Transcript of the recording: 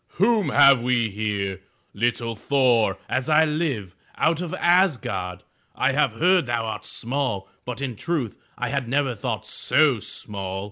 *'Whom have we here? Little Thor, as I live, out of Asgard. I have heard thou art small, but in truth I had never thought so small!